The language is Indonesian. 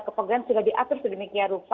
kepegangan sudah diatur sedemikian rupa